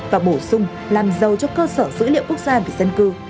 và bổ sung làm giàu cho cơ sở dữ liệu quốc gia về dân cư